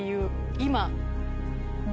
今。